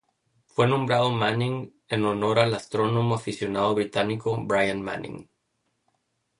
Fue nombrado Manning en honor al astrónomo aficionado británico Brian Manning.